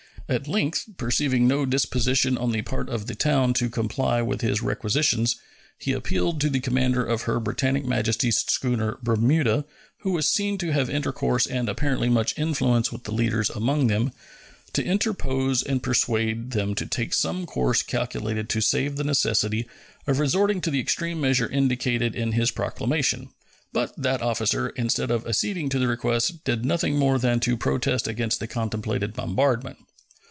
At length, perceiving no disposition on the part of the town to comply with his requisitions, he appealed to the commander of Her Britannic Majesty's schooner Bermuda, who was seen to have intercourse and apparently much influence with the leaders among them, to interpose and persuade them to take some course calculated to save the necessity of resorting to the extreme measure indicated in his proclamation; but that officer, instead of acceding to the request, did nothing more than to protest against the contemplated bombardment.